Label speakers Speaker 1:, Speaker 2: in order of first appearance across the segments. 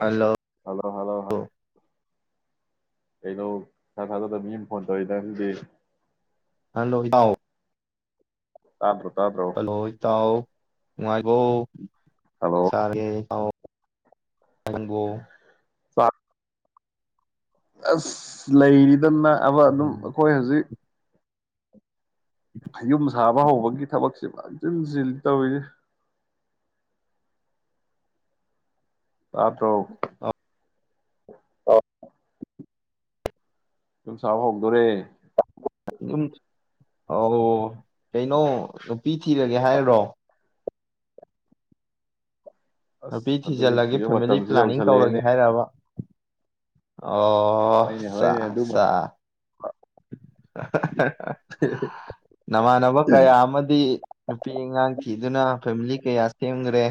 Speaker 1: Hello
Speaker 2: ꯍ hello ꯍ ꯀꯩꯅꯣ ꯏꯊꯥ ꯊꯥꯖꯗꯅꯥ ꯃꯤ ꯑꯃꯥ ꯐꯣꯟ ꯇꯧꯔꯛꯏꯗꯥ
Speaker 1: ꯍꯂꯣ ꯏꯇꯥꯎ
Speaker 2: ꯇꯥꯕꯔꯣ꯫
Speaker 1: ꯍꯜꯂꯣ ꯏꯇꯥꯎ ꯅꯨꯡꯉꯥꯏꯒꯣ
Speaker 2: ꯍꯜꯂꯣ
Speaker 1: ꯆꯔꯦ ꯏꯇꯥꯎ [unintelligible]
Speaker 2: ꯋꯥ ꯑꯁ ꯂꯩꯅꯤ ꯑꯗꯨꯑꯕ ꯑꯗꯨꯝ
Speaker 1: ꯎꯝ
Speaker 2: ꯑꯩꯈꯣꯏ ꯍꯧꯖꯤꯛ ꯑꯌꯣ ꯃ ꯊꯥꯕ ꯍꯧꯕꯒꯤ ꯊꯕꯛꯁꯦ ꯃꯥꯡꯁꯤꯟꯁꯤꯜꯂꯤ ꯇꯧꯔꯤꯅꯦ ꯇꯥꯄ꯭ꯔꯣ ꯑ ꯌꯨꯝ ꯆꯕ ꯍꯥꯎꯗꯣꯔꯦ
Speaker 1: ꯝ ꯑꯣꯧ ꯀꯩꯅꯣ ꯅꯨꯄꯤ ꯊꯤꯔꯒꯦ ꯍꯥꯏꯔꯣ ꯅꯨꯄꯤ
Speaker 2: ꯑꯁ ꯑꯗꯨꯁꯨ
Speaker 1: ꯊꯤꯖꯤꯜꯂꯒꯦ
Speaker 2: ꯊꯤꯕ
Speaker 1: ꯐꯦꯃꯤꯂꯤ
Speaker 2: ꯃꯇꯝꯁꯨ
Speaker 1: ꯄ꯭ꯂꯥꯅꯤꯡ
Speaker 2: ꯌꯧꯁꯜꯂꯛꯑꯦꯅꯦ
Speaker 1: ꯇꯧꯔꯒꯦ ꯍꯥꯏꯔꯑꯔꯕ
Speaker 2: ꯍꯣꯏꯅꯦ ꯍꯣꯏꯅꯦ ꯑꯗꯨ
Speaker 1: ꯆꯥ
Speaker 2: ꯑꯗꯨ
Speaker 1: [unintelligible] ꯅꯃꯥꯟꯅꯕ ꯀꯌꯥ ꯑꯃꯗꯤ ꯅꯨꯄꯤ ꯑꯉꯥꯡ ꯐꯤꯗꯨꯅ ꯐꯦꯃꯤꯂꯤ ꯀꯌꯥ ꯁꯦꯝꯈ꯭ꯔꯦ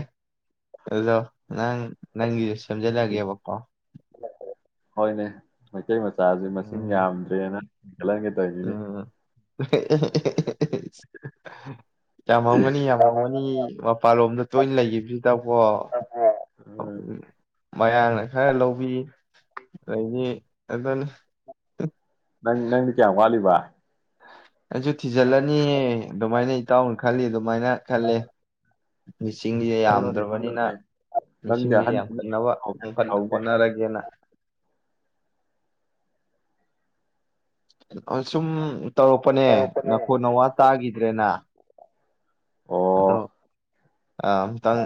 Speaker 1: ꯑꯗꯣ ꯅꯪ ꯅꯪꯒꯤꯁꯨ ꯁꯦꯝꯖꯤꯜꯂꯒꯦꯕꯀꯣ
Speaker 2: ꯍꯣꯏꯅꯦ ꯃꯩꯇꯩ ꯃꯆꯥꯁꯦ ꯃꯁꯤꯡ
Speaker 1: ꯎꯝ
Speaker 2: ꯌꯥꯝꯗ꯭ꯔꯦꯅ ꯍꯦꯟꯒꯠꯍꯟꯒꯗꯧꯒꯤꯅꯤ
Speaker 1: [unintelligible] ꯌꯥꯝ ꯉꯝꯒꯅꯤ ꯌꯥꯝ ꯉꯝꯒꯅꯤ ꯃꯄꯥꯟꯂꯣꯝꯗ ꯇꯣꯏꯅ ꯂꯩꯌꯦꯕꯤ ꯠꯇꯄꯣ
Speaker 2: ꯎꯝ
Speaker 1: [inaudible] ꯃꯌꯥꯝꯅ ꯈꯔ ꯂꯧꯕꯤ ꯑꯗꯤ ꯑꯗꯨꯅ
Speaker 2: ꯅꯪ ꯅꯪꯗꯤ ꯀꯌꯥꯝ ꯋꯥꯠꯂꯤꯕ
Speaker 1: ꯑꯩꯁꯨ ꯊꯤꯖꯤꯜꯂꯅꯤꯍꯦ ꯑꯗꯨꯃꯥꯏꯅ ꯏꯇꯥꯎꯅ ꯈꯜꯂꯤꯝ ꯑꯗꯨꯃꯥꯏꯅ ꯈꯜꯂꯦ ꯃꯤꯁꯤꯡꯁꯦ
Speaker 2: ꯈꯜꯂꯣꯅꯦ
Speaker 1: ꯌꯥꯝꯗ꯭ꯔꯕꯅꯤꯅ
Speaker 2: ꯈꯜꯂꯣꯅꯦ ꯅꯪꯗꯤ
Speaker 1: ꯃꯤꯁꯤꯡꯁꯦ
Speaker 2: ꯑꯍꯟꯅꯤ
Speaker 1: ꯌꯥꯝꯈꯠꯅꯕꯈ
Speaker 2: ꯍꯧꯅꯦ
Speaker 1: ꯍꯣꯠꯅꯔꯒꯦꯅ ꯁꯨꯝ ꯇꯧꯔꯛꯄꯅꯦ ꯅꯈꯣꯟ ꯅꯋꯥ ꯇꯥꯈꯤꯗ꯭ꯔꯦꯅ
Speaker 2: ꯑꯣ
Speaker 1: ꯑꯗꯣ ꯑ ꯑꯃꯨꯛꯇꯪ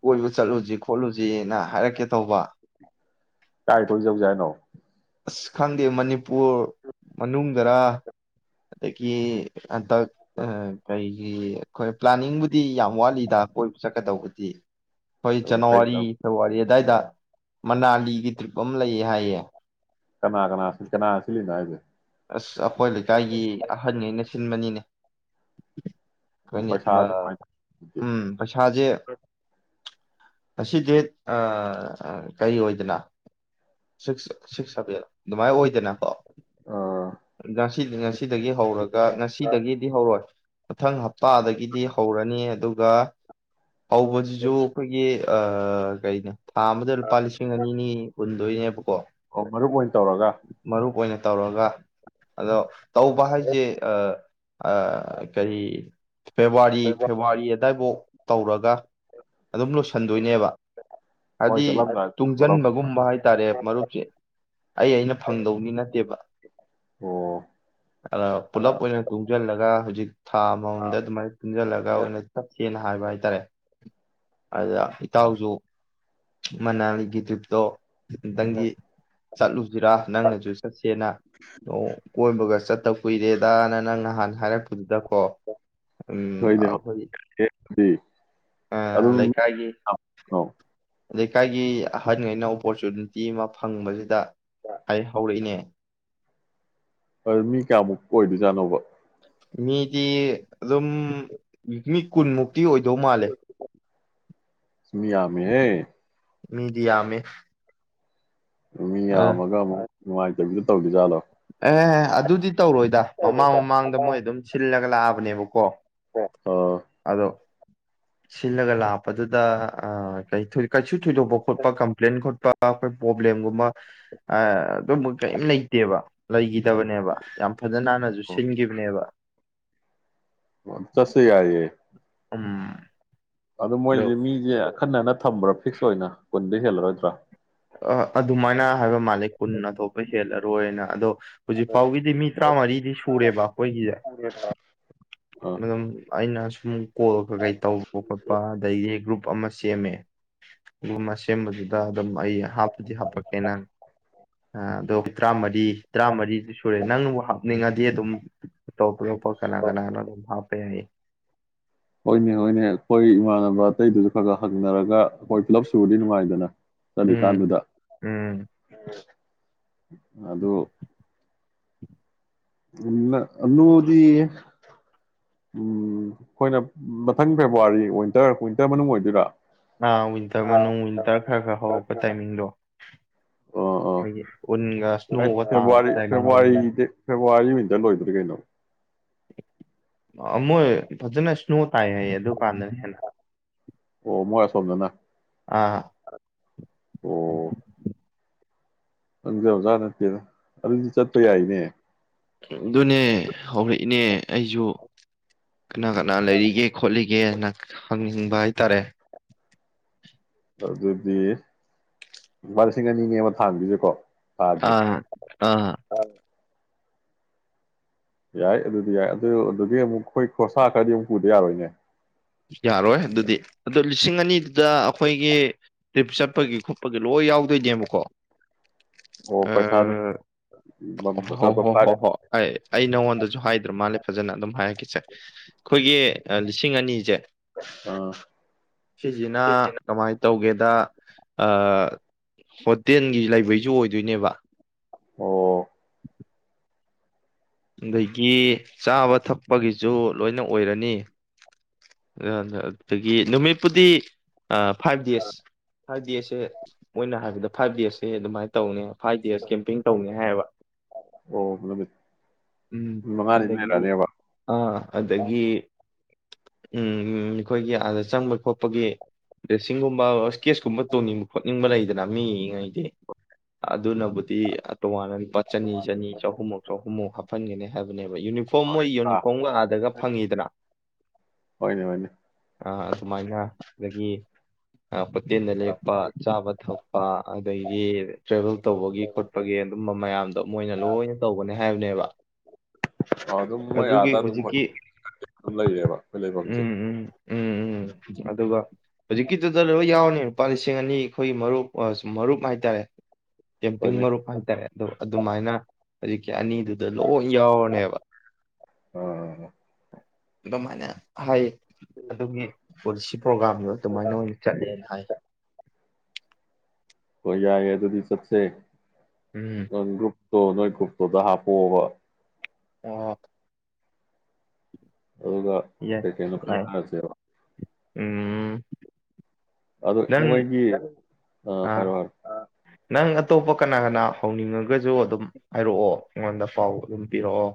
Speaker 1: ꯀꯣꯏꯕ ꯆꯠꯂꯨꯁꯤ ꯈꯣꯠꯂꯨ ꯖꯤꯅ ꯍꯥꯏꯔꯛꯀꯦ ꯇꯧꯕ
Speaker 2: ꯀꯥꯏ ꯀꯣꯏꯖꯧꯖꯦ ꯍꯥꯏꯅꯣ
Speaker 1: ꯑꯁ ꯈꯪꯗꯦ ꯃꯅꯤꯄꯨꯔ ꯃꯅꯨꯡꯗꯔꯥ ꯑꯗꯒꯤ ꯍꯟꯇꯛ ꯑ ꯀꯩ ꯒꯤ ꯑꯩꯈꯣꯏ ꯄ꯭ꯂꯥꯟꯅꯤꯡꯕꯨꯗꯤ ꯌꯥꯝ ꯋꯥꯠꯂꯤꯗ ꯀꯣꯏꯕ ꯆꯠꯀꯗꯧꯕꯗꯤ ꯍꯣꯏ
Speaker 2: ꯀꯩ
Speaker 1: ꯖꯅꯋꯥꯔꯤ
Speaker 2: ꯂꯝ
Speaker 1: ꯐꯦꯕꯋꯥꯔꯤ ꯑꯗꯥꯏꯗ ꯃꯅꯥꯂꯤꯒꯤ ꯇ꯭ꯔꯤꯞ ꯑꯃ ꯂꯩꯌꯦ ꯍꯥꯏꯌꯦ
Speaker 2: ꯀꯅꯥ ꯀꯅꯥ ꯀꯅꯥ ꯁꯤꯜꯂꯤꯅꯣ ꯍꯥꯏꯁꯦ
Speaker 1: ꯑꯁ ꯑꯩꯈꯣꯏ ꯂꯩꯀꯥꯏꯒꯤ ꯑꯍꯟꯉꯩꯅ ꯁꯤꯟꯕꯅꯤꯅꯦ
Speaker 2: ꯑꯣ
Speaker 1: ꯈꯣꯏꯅꯤ ꯃ
Speaker 2: ꯄꯩꯁꯥꯁꯦ ꯀꯃꯥꯏꯅ ꯇꯧꯒꯦ
Speaker 1: ꯝ ꯄꯩꯁꯥꯖꯦ ꯉꯁꯤ ꯗꯦꯠ ꯑ ꯑ ꯀꯔꯤ ꯑꯣꯏꯗꯅ ꯁꯤꯛꯁ ꯁꯤꯛꯁ ꯁꯕꯦꯟ ꯑꯗꯨꯃꯥꯏꯅ ꯑꯣꯏꯗꯅꯀꯣ
Speaker 2: ꯑꯥ
Speaker 1: ꯉꯁꯤ ꯉꯁꯤꯗꯒꯤ ꯍꯧꯔꯒ ꯉꯁꯤꯗꯒꯤꯗꯤ ꯍꯧꯔꯣꯏ ꯃꯊꯪ ꯍꯞꯇꯥꯗꯒꯤꯗꯤ ꯍꯧꯔꯅꯤ ꯑꯗꯨꯒ ꯍꯧꯕꯁꯤꯁꯨ ꯑꯩꯈꯣꯏꯒꯤ ꯑ ꯀꯩꯩꯅꯣ ꯊꯥ ꯑꯃꯗ ꯂꯨꯄꯥ ꯂꯤꯁꯤꯡ ꯑꯅꯤꯅꯤ ꯍꯨꯟ ꯗꯣꯏꯅꯦꯕ
Speaker 2: ꯑꯣ ꯃꯔꯨꯞ ꯑꯣꯏ ꯇꯧꯔꯒ
Speaker 1: ꯑꯣꯏꯅ ꯇꯧꯔꯒ ꯑꯗꯣ ꯇꯧꯕ ꯍꯥꯏꯁꯦ ꯑ ꯑ ꯀꯔꯤ ꯐꯦꯕꯋꯥꯔꯤ ꯐꯦꯕꯋꯥꯔꯤ ꯗꯥꯏꯕꯣꯛ ꯇꯧꯔꯒ ꯑꯗꯨꯝ ꯂꯣꯏꯁꯤꯟꯗꯣꯏꯅꯦꯕ
Speaker 2: ꯍꯣꯏ
Speaker 1: ꯍꯥꯏꯗꯤ
Speaker 2: ꯆꯠꯂꯝꯗꯥꯏ ꯂꯧꯊꯣꯛ
Speaker 1: ꯇꯨꯡꯖꯟꯕꯒꯨꯝꯕ ꯍꯥꯏꯇꯥꯔꯦ ꯃꯔꯨꯞꯁꯦ ꯑꯩ ꯑꯩꯅ ꯐꯪꯗꯧꯗꯤ ꯅꯠꯇꯦꯕ
Speaker 2: ꯑꯣ
Speaker 1: ꯑꯗ ꯄꯨꯂꯞ ꯑꯣꯏꯅ ꯇꯨꯡꯖꯜꯂꯒ ꯍꯧꯖꯤꯛ ꯊꯥ ꯑꯃꯃꯝꯗ ꯑꯗꯨꯃꯥꯏꯅ ꯇꯨꯡꯖꯜꯂꯒ ꯑꯣꯏꯅ ꯆꯠꯁꯦꯅ ꯍꯥꯏꯕ ꯍꯥꯏꯇꯥꯔꯦ ꯑꯗ ꯏꯇꯥꯎꯁꯨ ꯃꯅꯥꯂꯤꯒꯤ ꯇ꯭ꯔꯤꯞꯇꯣ ꯇꯪꯒꯤ ꯆꯠꯂꯨꯁꯤꯔꯥ ꯅꯪꯅꯁꯨ ꯆꯠꯁꯤ ꯅꯥ ꯇꯧ ꯀꯣꯏ ꯒ ꯆꯠꯇ ꯀꯨꯏꯔꯦꯗꯅ ꯅꯪ ꯅꯍꯥꯟ ꯍꯥꯏꯔꯛꯄꯗꯨꯗ ꯀꯣ ꯎ
Speaker 2: ꯍꯣꯏꯅꯦ ꯍꯣꯏꯅꯦ
Speaker 1: ꯑꯩꯈꯣꯏꯒꯤ
Speaker 2: ꯑꯗꯨꯗꯤ ꯑꯗꯨꯝ
Speaker 1: ꯂꯩꯀꯥꯏꯒꯤ
Speaker 2: ꯑꯧ
Speaker 1: ꯑꯗꯩꯀꯥꯏꯒꯤ ꯑꯍꯟꯉꯩꯅ ꯑꯣꯄꯣꯔꯆꯨꯅꯤꯇꯤ ꯑꯃ ꯐꯪꯕꯁꯤꯗ ꯑꯩ ꯍꯧꯔꯛꯏꯅꯦ
Speaker 2: ꯃꯤ ꯀꯌꯥꯃꯨꯛ ꯑꯣꯏꯗꯣꯏꯖꯥꯠꯅꯣꯕ
Speaker 1: ꯃꯤꯗꯤ ꯑꯗꯨꯝ ꯃꯤ ꯀꯨꯟꯃꯨꯛꯇꯤ ꯑꯣꯏꯗꯧ ꯃꯥꯜꯂꯦ
Speaker 2: ꯃꯌꯥ ꯃ
Speaker 1: ꯃ ꯃꯤꯗꯤꯌꯥ ꯃ
Speaker 2: ꯃꯤ ꯌꯥꯕꯒ ꯅꯨꯡꯉꯥꯏꯇꯕꯤꯗ ꯇꯧꯗꯖꯥꯠꯂꯣ
Speaker 1: ꯑꯗꯨꯗꯤ ꯇꯧꯔꯣꯏꯗ ꯃꯃꯥꯡ ꯃꯃꯥꯡꯗ ꯃꯣꯏ ꯑꯗꯨꯝ ꯁꯤꯜꯂꯒ ꯂꯥꯛꯑꯕꯅꯦꯕꯀꯣ
Speaker 2: ꯑꯥ
Speaker 1: ꯑꯗꯣ ꯁꯤꯜꯂꯒ ꯂꯄ ꯑꯗꯨꯗ ꯑ ꯀꯩ ꯊ ꯀꯁꯨ ꯈꯣꯠꯄ ꯀꯄ꯭ꯂꯦꯟꯟ ꯈꯠ ꯑꯩꯈꯣꯏ ꯄ꯭ꯔꯣꯕ꯭ꯂꯦꯝꯒꯨꯝꯕ ꯑꯗꯨꯝꯕ ꯀꯔꯤꯝ ꯂꯩꯇꯦꯕ ꯂꯩꯒꯤꯗꯕꯅꯦꯕ ꯌꯥꯝ ꯐꯖ ꯅꯥꯟꯅꯁꯨ ꯁꯤꯟꯈꯤꯕꯅꯦꯕ
Speaker 2: ꯆꯠꯁꯦ ꯌꯥꯏꯌꯦ
Speaker 1: ꯎꯝ
Speaker 2: ꯑꯗꯨ
Speaker 1: ꯑꯗꯣ
Speaker 2: ꯃꯣꯏꯁꯦ ꯃꯤꯁꯦ ꯑꯈꯟꯅꯅ ꯊꯝꯕ꯭ꯔꯥ ꯐꯤꯛꯁ ꯑꯣꯏꯅ ꯀꯨꯟꯗꯤ ꯍꯦꯜꯂꯔꯣꯏꯗ꯭ꯔꯥ
Speaker 1: ꯑ ꯑꯗꯨꯃꯥꯏꯅ ꯍꯥꯏꯕ ꯃꯥꯜꯂꯤ ꯄꯨꯨꯟꯅ ꯊꯣꯛꯄꯩ ꯍꯦꯜꯂꯔꯣꯏꯅ ꯑꯗꯣ ꯍꯧꯖꯤꯛ ꯐꯥꯎꯒꯤꯗꯤ ꯃꯤ ꯇꯔꯥꯃꯔꯤꯗꯤ ꯁꯨꯔꯦꯕ ꯑꯩꯈꯣꯏꯒꯤꯁꯦ
Speaker 2: ꯑꯥ
Speaker 1: ꯎꯝ ꯑꯩꯅ ꯁꯨꯝ ꯀꯣꯜ ꯀꯥꯀꯩ ꯇꯧꯕ ꯈꯣꯠꯄ ꯑꯗꯩꯗꯤ ꯒ꯭ꯔꯨꯞ ꯑꯃ ꯁꯦꯝꯃꯦ ꯑꯗꯨꯒꯨꯝꯕ ꯁꯦꯝꯕꯗꯨꯗ ꯑꯗꯨꯝ ꯑꯩ ꯍꯥꯞꯄꯨꯗꯤ ꯍꯥꯞꯄꯛꯀꯦ ꯅꯪ ꯑꯗꯣ ꯇꯔꯥꯃꯔꯤ ꯇꯔꯥꯃꯔꯤꯁꯤ ꯁꯨꯔꯦ ꯅꯪꯕꯨ ꯍꯥꯞꯅꯤꯡꯉꯗꯤ ꯑꯗꯨꯝ ꯑꯇꯣꯞꯄꯇꯣꯞꯄ ꯀꯅꯥ ꯀꯅꯥꯅꯣ ꯍꯥꯞꯄꯦꯃꯤ
Speaker 2: ꯍꯣꯏꯅꯦ ꯍꯣꯏꯅꯦ ꯑꯩꯈꯣꯏ ꯏꯃꯥꯟꯅꯕ ꯑꯇꯩꯗꯨꯁꯨ ꯈꯥ ꯒꯥ ꯍꯎ ꯊꯦꯡꯅꯔꯒ ꯑꯩꯈꯣꯏ ꯄꯨꯤꯂꯞ ꯁꯨꯔꯗꯤ ꯅꯨꯡꯉꯥꯏꯗꯅ
Speaker 1: ꯎꯝ
Speaker 2: ꯆꯠꯂꯤꯀꯥꯟꯗꯨꯗ
Speaker 1: ꯎꯝ
Speaker 2: ꯑꯗꯣ ꯑꯗꯨꯂꯨꯗꯤ ꯑꯩꯈꯣꯏꯅ ꯃꯊꯪ ꯐꯦꯕꯋꯥꯔꯤ ꯋꯤꯟꯇꯔ ꯋꯤꯟꯇꯔ ꯃꯅꯨꯡ ꯑꯣꯏꯗꯣꯏꯔꯥ
Speaker 1: ꯑ ꯋꯤꯟꯇꯔ ꯃꯅꯨꯡ ꯋꯤꯟꯇꯔ ꯈꯔ ꯈꯔ ꯍꯧꯔꯛꯄ ꯇꯥꯏꯃꯤꯡꯗꯣ
Speaker 2: ꯑꯣ ꯑꯣ
Speaker 1: ꯑꯩꯈꯣꯏꯒꯤ ꯎꯟꯒ ꯁ꯭ꯅꯣꯒ ꯇꯥꯕ
Speaker 2: ꯐꯦꯕꯋꯥꯔꯤ
Speaker 1: ꯇꯥꯏꯃꯤꯡꯗꯨꯅꯦꯃꯤ
Speaker 2: ꯐꯦꯕꯋꯥꯔꯤꯗ ꯐ ꯋꯥꯔꯤ ꯃꯤꯇ ꯂꯣꯏꯗ꯭ꯔꯔꯤ ꯀꯩꯅꯣ
Speaker 1: ꯃꯣꯏ ꯐꯖꯅ ꯏꯁꯅꯣ ꯇꯥꯏ ꯍꯥꯏ ꯑꯗꯨ ꯀꯥꯟꯗꯅ ꯍꯦꯟꯅ
Speaker 2: ꯑꯣ ꯃꯣꯔ ꯁꯣꯝꯅꯅ
Speaker 1: ꯑꯥ
Speaker 2: ꯈꯪꯖꯥꯕ ꯖꯥꯠ ꯅꯠꯇꯦꯗ ꯑꯗꯨꯗꯤ ꯆꯠꯄ ꯌꯥꯏꯅꯦ
Speaker 1: ꯑꯗꯨꯅꯦ ꯍꯧꯔꯛꯏꯅꯦ ꯑꯩꯁꯨ ꯀꯅꯥ ꯀꯅꯥ ꯂꯩꯔꯤꯒꯦ ꯈꯣꯠꯂꯤꯒꯦꯅ ꯍꯪꯅꯤꯡꯕ ꯍꯥꯏ ꯇꯔꯦ
Speaker 2: ꯑꯗꯨꯗꯤ ꯂꯨꯄꯥ ꯂꯤꯁꯤꯡ ꯑꯅꯤꯅꯦꯕ ꯊꯥꯟꯕꯤꯁꯦꯀꯣ
Speaker 1: ꯑꯥ ꯑꯥ
Speaker 2: ꯌꯥꯏ ꯑꯗꯨꯗꯤ ꯌꯥꯏ ꯑꯗꯨ ꯑꯗꯨꯒꯤ ꯑꯃꯨꯛ ꯑꯩꯈꯣꯏ ꯈꯣꯔꯁꯥ ꯈꯔꯗꯤ ꯑꯃꯨꯛ ꯄꯨꯗ ꯌꯥꯔꯣꯏꯅꯦ
Speaker 1: ꯌꯥꯔꯣꯏ ꯑꯗꯨꯗꯤ ꯑꯗꯨꯗꯣ ꯂꯤꯁꯤꯡ ꯑꯅꯤꯗꯨꯗ ꯑꯩꯈꯣꯏꯒꯤ ꯇ꯭ꯔꯤꯞ ꯆꯠꯄꯒꯤ ꯈꯣꯠꯄꯒꯤ ꯂꯣꯏ ꯌꯥꯎꯗꯣꯏ ꯅꯦꯕꯀꯣ
Speaker 2: ꯑꯣ
Speaker 1: ꯑ
Speaker 2: ꯄꯩꯁꯥꯗꯨ ꯃꯝ-
Speaker 1: ꯍꯣꯏ
Speaker 2: ꯆꯠꯄ
Speaker 1: ꯍꯣꯏ
Speaker 2: ꯐ꯭ꯂꯥꯏꯠ
Speaker 1: ꯍꯣꯏ ꯍꯣꯏ ꯑꯩ ꯑꯩ ꯅꯉꯣꯟꯗꯁꯨ ꯍꯥꯏꯗ꯭ꯔꯣ ꯃꯥꯜꯂꯦ ꯐꯖꯅ ꯑꯗꯨꯝ ꯍꯥꯏꯔꯛꯀꯦ [unintelligible] ꯑꯩꯈꯣꯏꯒꯤ ꯂꯤꯁꯤꯡ ꯑꯅꯤꯁꯦ
Speaker 2: ꯑꯥ
Speaker 1: ꯁꯤꯖꯤꯅꯥ ꯀꯃꯥꯏ ꯇꯧꯒꯦꯗ ꯍꯣꯇꯦꯜꯒꯤ ꯂꯩꯕꯩꯁꯨ ꯑꯣꯏꯗꯣꯏꯅꯦꯕ
Speaker 2: ꯑꯣ
Speaker 1: ꯑꯗꯒꯤ ꯆꯥꯕ ꯊꯄꯒ ꯨ ꯂꯣꯏꯅ ꯑꯣꯏꯔꯅꯤ ꯑꯗꯨꯗꯒꯤ ꯅꯨꯃꯤꯠꯄꯨꯗꯤ ꯐꯥꯏꯚ ꯗꯦꯖ ꯐꯥꯏꯚ ꯗꯦꯖꯁꯦ ꯃꯣꯏꯅ ꯍꯥꯏꯕꯗ ꯐꯥꯏꯚ ꯗꯦꯁ ꯁꯦ ꯑꯗꯨꯃꯥꯏꯅ ꯇꯧꯅꯦ ꯐꯥꯏꯚ ꯗꯦꯖ ꯀꯦꯝꯄꯤꯡ ꯇꯧꯅꯤ ꯍꯥꯏꯌꯦꯕ
Speaker 2: ꯑꯣ ꯅꯨꯃꯤꯠ
Speaker 1: ꯎꯝ
Speaker 2: ꯃꯉꯥꯅꯤ
Speaker 1: ꯑꯗꯒꯤ
Speaker 2: ꯂꯩꯔꯛꯑꯅꯦꯕ
Speaker 1: ꯑꯥ ꯑꯗꯒꯤ ꯎꯝ ꯑꯩꯈꯣꯏꯒꯤ ꯑꯥꯗ ꯆꯪꯕ ꯈꯣꯠꯄꯒꯤ ꯗ꯭ꯔꯦꯁꯤꯡꯒꯨꯝꯕ ꯏꯁꯀꯦꯁꯀꯨꯝꯕ ꯇꯣꯡꯅꯤꯡꯕ ꯈꯣꯠꯅꯤꯡꯕ ꯂꯩꯗꯅ ꯃꯤꯉꯩꯗꯤ ꯑꯗꯨꯅꯕꯨꯗꯤ ꯇꯣꯉꯥꯟꯅꯅ ꯂꯨꯄꯥ ꯆꯅꯤ ꯆꯅꯤ ꯆꯍꯨꯝꯃꯨꯛ ꯆꯍꯨꯝꯃꯨꯛ ꯍꯥꯞꯐꯟꯒꯅꯤ ꯍꯥꯏꯕꯅꯦꯕ ꯌꯨꯅꯤꯐꯣꯔꯝ ꯃꯣꯏ
Speaker 2: ꯑꯥ
Speaker 1: ꯌꯨꯅꯤꯐꯣꯔꯝꯒ ꯑꯥꯗꯒ ꯐꯪꯉꯤꯗꯅ
Speaker 2: ꯍꯅꯦ ꯍꯅꯦ
Speaker 1: ꯑꯗꯨꯃꯥꯏꯅ ꯑꯗꯒꯤ ꯍꯇꯦꯜꯗ ꯂꯦꯛꯞꯄ ꯆꯥꯕ ꯊꯛꯄ ꯑꯗꯩ ꯇ꯭ꯔꯕꯦꯜ ꯇꯧꯕꯒꯤ ꯈꯣꯠꯄꯒꯤ ꯑꯗꯨꯝꯕ ꯃꯌꯥꯝꯗꯣ ꯃꯣꯏꯅ ꯂꯣꯏꯅ ꯇꯧꯧꯕꯅꯤ ꯍꯥꯏꯕꯅꯦꯕ
Speaker 2: ꯑ ꯑꯗꯨꯝ ꯃꯣꯏ
Speaker 1: ꯑꯗꯨꯒꯤ
Speaker 2: ꯑꯥꯗ ꯑꯗꯨꯝ ꯍꯣꯏ
Speaker 1: ꯍꯧꯖꯤꯛꯀꯤ
Speaker 2: ꯑꯗꯨꯝ ꯂꯩꯌꯦꯕ ꯑꯩꯈꯣꯏ ꯂꯩꯐꯝꯁꯦ
Speaker 1: ꯎꯝ ꯎꯝ ꯎꯝ ꯎꯝ ꯑꯗꯨꯒ ꯍꯧꯖꯤꯛꯀꯤ ꯌꯥꯎꯅꯤ ꯂꯨꯄꯥ ꯂꯤꯁꯤꯡ ꯑꯅꯤ ꯑꯩꯈꯣꯏꯒꯤ ꯃꯔꯨꯞ ꯃꯔꯨꯞ ꯍꯥꯏꯇꯥꯔꯦ ꯀꯦꯝꯄꯤꯡ
Speaker 2: ꯍꯣꯏꯅꯦ
Speaker 1: ꯃꯔꯨꯞ ꯍꯥꯏꯇꯥꯔꯦ ꯑꯗꯣ ꯑꯗꯨꯃꯥꯏꯅ ꯍꯧꯖꯤꯛꯀꯤ ꯑꯅꯤꯗꯨꯗ ꯂꯣꯏ ꯌꯥꯎꯔꯅꯦꯕ
Speaker 2: ꯑꯥ
Speaker 1: ꯏ ꯃꯅꯦ ꯍꯥꯏ ꯑꯗꯨꯝ ꯃꯤ ꯄꯁꯤ ꯄ꯭ꯔꯣꯒꯥꯝꯗꯨꯣ ꯑꯗꯨꯃꯥꯏꯅ ꯑꯣꯏꯅ ꯆꯠꯂꯦꯅ ꯍꯥꯏ
Speaker 2: ꯍ ꯌꯥꯏꯌꯦꯗꯨꯗꯤꯖꯠꯁꯦ
Speaker 1: ꯎꯝ
Speaker 2: ꯅ ꯇ ꯅꯣꯏ ꯈꯨꯨꯞꯇꯣꯗ ꯍꯥꯄꯣꯕ
Speaker 1: ꯑꯣ
Speaker 2: ꯍꯧꯒ
Speaker 1: ꯌꯥꯏ
Speaker 2: ꯐ ꯀꯩꯅ ꯈꯔꯦ
Speaker 1: ꯌꯥꯏ ꯎꯝ
Speaker 2: ꯑꯗꯣ
Speaker 1: ꯅꯪ
Speaker 2: ꯃꯣꯏꯒꯤ ꯑꯥ
Speaker 1: ꯑ
Speaker 2: ꯍꯥꯏꯔꯣ ꯍꯥꯏꯔꯣ
Speaker 1: ꯅꯪ ꯑꯇꯣꯞꯄ ꯀꯅꯥ ꯀꯅꯥ ꯍꯧꯅꯤꯡꯉ ꯑꯗꯨꯒꯁꯨ ꯑꯗꯨꯝ ꯍꯥꯏꯔꯛꯑꯣ ꯑꯩꯉꯣꯟꯗ ꯄꯥꯎ ꯑꯗꯨꯝ ꯄꯤꯔꯛꯑꯣ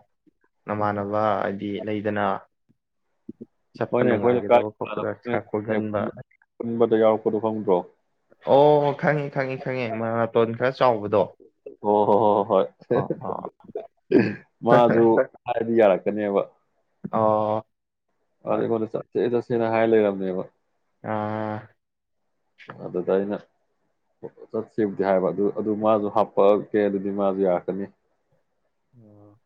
Speaker 1: ꯅꯃꯥꯟꯅꯕ ꯍꯥꯏꯗꯤ ꯂꯩꯗꯅ ꯆꯠꯄ
Speaker 2: ꯍꯣꯏꯅꯦ
Speaker 1: ꯅꯨꯡꯉꯥꯏꯒꯗꯕ ꯈꯣꯠꯀꯗꯕ ꯈꯔ
Speaker 2: ꯑꯩꯈꯣꯏꯅ
Speaker 1: ꯀꯣꯏꯒꯟꯕ
Speaker 2: ꯄꯨꯟꯕꯗ ꯌꯥꯎꯔꯛꯄꯗꯣ ꯐꯪꯗ꯭ꯔꯣ
Speaker 1: ꯑꯣ ꯈꯪꯉꯤ ꯈꯪꯉꯤ ꯈꯪꯉꯤ ꯃꯔꯅꯥꯇꯣꯟ ꯈꯔ ꯆꯥꯎꯕꯗꯣ
Speaker 2: ꯍꯣ ꯍꯣ ꯍꯣ ꯍꯣꯏ
Speaker 1: ꯑꯥ ꯑꯥ
Speaker 2: ꯗꯤ ꯌꯥꯂꯛ ꯀꯅꯤꯕ
Speaker 1: ꯑꯣ
Speaker 2: ꯑꯗꯦ ꯍꯂꯦ ꯆꯦꯦ ꯁꯤꯅ ꯍꯥꯏ ꯂꯩꯔꯝꯅꯦꯕ
Speaker 1: ꯑꯥ
Speaker 2: ꯑꯗꯨꯗ ꯑꯩꯅ ꯆꯠꯁꯤꯕꯨꯗꯤ ꯍꯥꯏꯕ ꯑꯗꯨ ꯑꯗꯨ ꯃꯥꯁꯨ ꯍꯥꯞꯄꯛꯀꯦ ꯑꯗꯨꯗꯤ ꯃꯥꯁꯨ ꯌꯥꯔꯛꯀꯅꯤ
Speaker 1: ꯑꯣ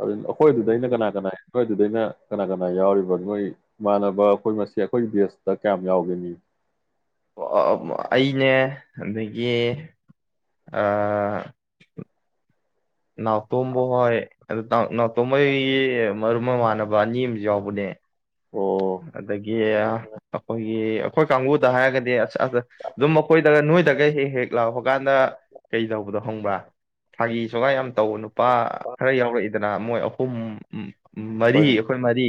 Speaker 2: ꯑꯗꯨ ꯑꯩꯈꯣꯏꯗꯨꯗ ꯑꯩꯅ ꯀꯅꯥ ꯀꯅꯥ ꯑꯩꯈꯣꯏꯗꯨꯗꯩꯅ ꯀꯅꯥ ꯀꯅꯥ ꯌꯥꯎꯔꯤꯕ ꯅꯣꯏ ꯏꯃꯥꯟꯅꯕ ꯑꯩꯈꯣꯏ ꯃꯁꯤ ꯑꯩꯈꯣꯏꯒꯤ ꯗꯦꯁꯇ ꯀꯌꯥꯝ ꯌꯥꯎꯒꯅꯤ
Speaker 1: ꯌꯦ ꯑ ꯅꯅꯥꯇꯨꯝꯕꯣ ꯍ ꯑꯗꯨ ꯎ ꯅꯥꯎꯇꯣꯈꯩꯒꯤ ꯃꯔꯨꯞ ꯃꯃꯥꯟꯅꯕ ꯑꯅꯤ ꯑꯃꯁꯨ ꯌꯥꯎꯕꯅꯦ
Speaker 2: ꯑꯣ
Speaker 1: ꯑꯗꯒꯤ ꯑꯩꯈꯣꯏꯒꯤ ꯑꯩꯈꯣꯏ ꯀꯥꯡꯕꯨꯗ ꯍꯥꯏꯔꯒꯗꯤ ꯑꯁ ꯑ ꯑꯗꯨꯝ ꯃꯈꯣꯏꯗꯒ ꯅꯣꯏꯗꯒ ꯍꯦꯛ ꯍꯦꯛ ꯂꯥꯛꯄ ꯀꯥꯟꯗ ꯀꯩ ꯇꯧꯕꯗꯣ ꯍꯪꯕ꯭ꯔ ꯐꯥꯒꯤ ꯁꯣꯒꯥꯏ ꯌꯥꯝ ꯇꯧꯕ ꯅꯨꯄꯥ ꯈꯔ ꯌꯥꯎꯔꯛꯏꯗꯅ ꯃꯣꯏ ꯑꯍꯨꯝ ꯃꯔꯤ
Speaker 2: ꯍꯣꯏ
Speaker 1: ꯑꯩꯈꯣꯏ ꯃꯔꯤ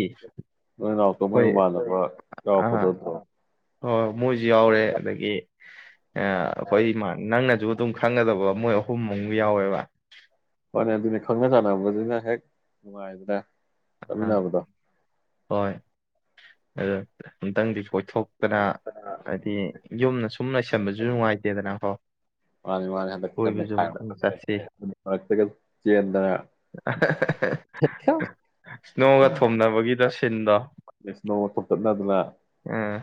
Speaker 2: ꯅꯣꯏ ꯅꯥꯎꯛꯇꯣ ꯃꯩ
Speaker 1: ꯑꯩꯈꯣꯏ
Speaker 2: ꯃꯃꯥꯟꯅꯕ
Speaker 1: ꯑꯥ
Speaker 2: ꯆꯥꯎꯔꯛꯄꯗꯣꯠꯇ
Speaker 1: ꯍꯣꯏ ꯃꯣꯏꯁꯨ ꯌꯥꯎꯔꯦ ꯑꯗꯒꯤ [inaudible] ꯑꯩꯈꯣꯏ ꯏꯃ ꯅꯪꯅꯁꯨ ꯑꯗꯨꯝ ꯈꯪꯒꯗꯕ ꯃꯣꯏ ꯑꯍꯨꯝꯃꯨ ꯌꯥꯎꯋꯦꯕ
Speaker 2: ꯍꯅꯤ ꯑꯗꯨꯅꯤ ꯈꯪꯅ ꯆꯥꯟꯅꯕꯁꯤꯅ ꯍꯦꯛ ꯅꯨꯡꯉꯥꯏꯗ꯭ꯔꯦ
Speaker 1: ꯑꯥ
Speaker 2: ꯀꯃꯤꯅꯕꯗ
Speaker 1: ꯍꯣꯏ ꯑ ꯑꯨꯇꯪꯗꯤ ꯀꯣꯏꯊꯣꯛ ꯅ ꯍꯥꯏꯗꯤ ꯌꯨꯝꯅ ꯁꯨꯝꯅ ꯆꯝꯕꯁꯨ ꯅꯨꯡꯉꯥꯏꯇꯦꯗꯅ ꯍꯣ ꯆꯠꯁꯤ
Speaker 2: [unintelligible]
Speaker 1: ꯏꯁꯅꯣꯒ ꯊꯣꯅꯕꯒꯤꯗ ꯁꯤꯟꯗꯣ
Speaker 2: ꯅꯦꯁꯅꯣ ꯊꯣꯞꯇꯠꯅꯗꯅ
Speaker 1: ꯎꯝ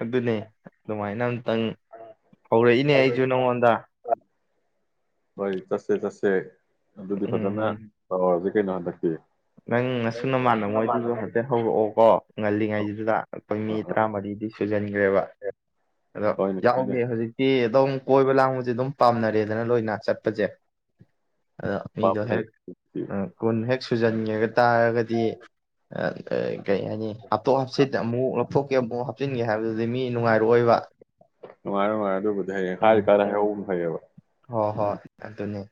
Speaker 1: ꯑꯗꯨꯅꯦ ꯑꯗꯨꯃꯥꯏꯅ ꯑꯝꯇꯪ ꯍꯧꯔꯛꯏꯅꯦ ꯑꯩꯁꯨ ꯅꯪꯉꯣꯟꯗ
Speaker 2: ꯍꯣꯏ ꯇꯁꯦ ꯇꯁꯦ ꯑꯗꯨꯗꯤ ꯐꯖꯅ
Speaker 1: ꯎꯝ
Speaker 2: ꯇꯧꯔ ꯀꯩꯅꯗꯇ
Speaker 1: ꯅꯪ ꯉꯁꯨ ꯅꯃꯥꯟꯅꯕ ꯃꯣꯏꯗꯨꯁꯨ ꯍꯥꯏꯐꯦꯠ ꯍꯧꯔꯛꯑꯣꯀꯣ ꯉꯜꯂꯤꯉꯩꯁꯤꯗꯨꯗ ꯑꯩꯣꯏ ꯃꯤ
Speaker 2: ꯍꯣꯏꯅꯦ
Speaker 1: ꯇꯔꯥꯃꯔꯤꯗꯤ ꯁꯨꯖꯟꯈ꯭ꯔꯦꯕ ꯑꯗꯣ
Speaker 2: ꯍꯣꯏꯅꯦ
Speaker 1: ꯌꯥꯎꯒꯦ ꯍꯧꯖꯤꯛꯇꯤ ꯑꯗꯨꯝ ꯀꯣꯏꯕ ꯂꯥꯡꯕꯗꯤ ꯑꯗꯨꯝ ꯄꯥꯝꯅꯔꯦꯗꯅ ꯂꯣꯏꯅ ꯆꯠꯄꯁꯦ ꯑꯗꯣ ꯃꯤꯗꯣ
Speaker 2: ꯄꯥꯝꯅꯔꯦ
Speaker 1: ꯍꯦꯛ ꯀꯨꯟ ꯍꯦꯛ ꯁꯨꯖ ꯌꯦꯒꯠ ꯇꯥꯔꯒꯗꯤ ꯀꯩ ꯍꯥꯏꯅꯤ ꯍꯥꯞꯇꯣꯛ ꯍꯥꯞꯆꯤꯠ ꯑꯃꯨꯛ ꯊꯣꯛꯀꯦ ꯑꯃꯨꯛ ꯍꯥꯞꯆꯤꯟꯒꯦ ꯍꯥꯏꯕꯗꯨꯗꯤ ꯃꯤ ꯅꯨꯡꯉꯥꯏꯔꯛꯑꯣꯏꯕ
Speaker 2: ꯅꯨꯡꯉꯥꯏ ꯅꯨꯡꯉꯥꯏꯔꯦ ꯑꯗꯨꯕꯨꯗꯤ ꯍꯌꯦꯡ ꯍꯥꯏ ꯇꯔ ꯍꯍꯧꯕ ꯐꯩꯌꯦꯕ
Speaker 1: ꯍꯣ ꯍꯣꯏ ꯑꯗꯨꯅꯤ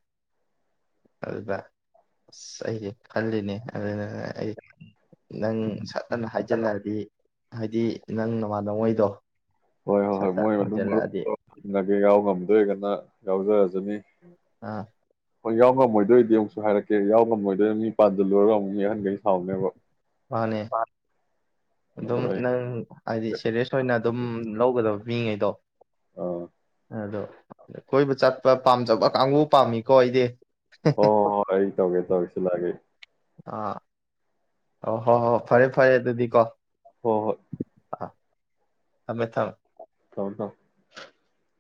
Speaker 1: ꯑꯗꯨꯗ ꯑꯁ ꯑꯩꯗꯤ ꯈꯜꯂꯤꯅꯦ ꯑꯗꯨꯅ ꯑ ꯑꯩ ꯅꯪ ꯅ ꯍꯩꯖꯜꯂꯗꯤ ꯍꯥꯏꯗꯤ ꯅꯪ ꯅꯃꯥꯟꯗꯉꯣꯏꯗꯣ
Speaker 2: ꯍꯣꯏ ꯍꯣꯏ ꯍꯣꯏ ꯃꯣꯏꯅ ꯑꯗꯨꯝ ꯃꯔꯒꯦ ꯌꯥꯎ ꯉꯝꯗꯣꯏꯒꯅ ꯌꯥꯧꯖ
Speaker 1: ꯑꯥ
Speaker 2: ꯍꯣꯏ ꯌꯥꯎ ꯉꯝꯃꯣꯏꯗꯣꯏꯗꯤ ꯑꯃꯨꯛꯁꯨ ꯍꯥꯏꯔꯛꯀꯦ ꯌꯥꯎ ꯉꯝꯃꯣꯏꯗꯣꯏ ꯃꯤ [unintelligible]
Speaker 1: ꯃꯥꯅꯦ꯫
Speaker 2: ꯑꯗꯣ
Speaker 1: ꯑꯗꯨꯝ
Speaker 2: ꯑꯩ
Speaker 1: ꯅꯪ ꯍꯥꯏꯗꯤ
Speaker 2: ꯍꯥꯏꯐꯦꯠ
Speaker 1: ꯁꯦꯔꯤꯌꯁ ꯑꯣꯏꯅ ꯑꯗꯨꯝ ꯂꯧꯒꯗꯕꯅꯤ꯫ ꯃꯤꯉꯩꯗꯣ
Speaker 2: ꯑꯥ
Speaker 1: ꯑꯗꯣ ꯀꯣꯏꯕ ꯆꯠ ꯄꯥꯝꯖꯕ ꯀꯥꯡꯕꯨ ꯄꯥꯝꯃꯤꯀꯣ ꯑꯩꯗꯤ ꯫
Speaker 2: ꯍꯣꯌ ꯑꯩ ꯇꯧꯒꯦ ꯇꯧ ꯒꯦ ꯁꯤꯂꯥꯒꯦ ꯑꯩ
Speaker 1: ꯑꯥ꯫ ꯑꯣ ꯍꯣꯏ -ꯍꯣꯏ ꯐꯔꯦ - ꯐꯔꯦ ꯑꯗꯨꯗꯤ ꯀꯣ
Speaker 2: ꯍꯣꯏ ꯍꯣꯏ
Speaker 1: ꯑꯥ ꯊꯝꯃꯦ - ꯊꯥꯝꯃꯦ꯫
Speaker 2: [unintelligible]